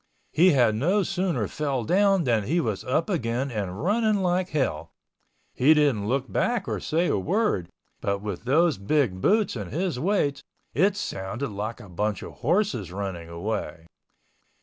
He had no sooner fell down than he was up again and running like hell, he didn't look back or say a word, but with those big boots and his weight, it sounded like a bunch of horses running away.